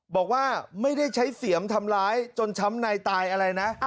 บอกว่าไม่ได้ใช้เสียมทำร้ายจนช้ำในตายอะไรนะ